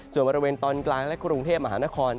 ส่วนบริเวณตอนกลางและกรุงเทพมหานคร